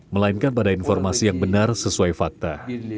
melainkan pada informasi yang benar sesuai fakta